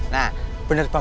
nah bener pak